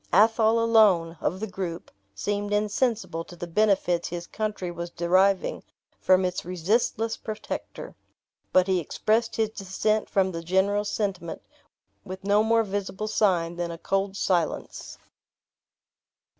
Athol alone, of the group, seemed insensible to the benefits his country was deriving from its resistless protector; but he expressed his dissent from the general sentiment with no more visible sign than a cold silence.